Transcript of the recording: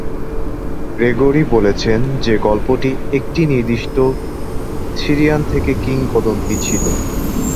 Gregory বলেছেন যে গল্পটি "একটি নির্দিষ্ট সিরিয়ান" থেকে কিংবদন্তি ছিল।